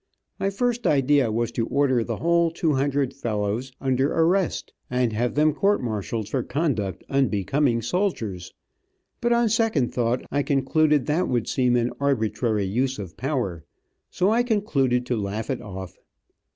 My first idea was to order the whole two hundred fellows under arrest, and have them court martialed for conduct unbecoming soldiers; but on second thought I concluded that would seem an arbitrary use of power, so I concluded to laugh it off.